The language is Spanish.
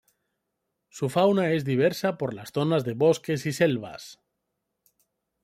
Su fauna es diversa por las zonas de bosques y selvas.